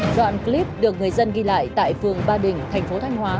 đoạn clip được người dân ghi lại tại phường ba đình thành phố thanh hóa